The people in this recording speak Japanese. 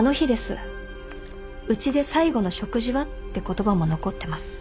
「うちで最後の食事は？」って言葉も残ってます。